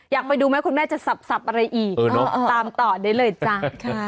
อยากไปดูไหมคุณแม่จะสับอะไรอีกตามต่อได้เลยจ้า